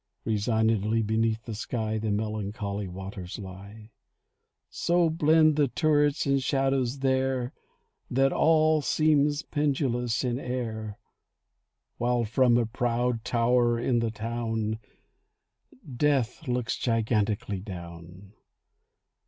Resignedly beneath the sky The melancholy waters lie. So blend the turrets and shadows there That all seem pendulous in air, While from a proud tower in the town Death looks gigantically down.